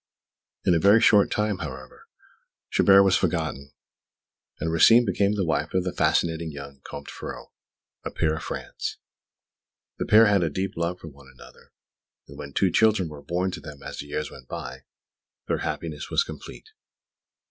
In a very short time, however, Chabert was forgotten, and Rosine became the wife of the fascinating young Comte Ferraud, a peer of France. The pair had a deep love for one another; and when two children were born to them as the years went by, their happiness was complete.